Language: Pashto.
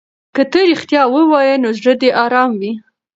که ته رښتیا ووایې نو زړه دې ارام وي.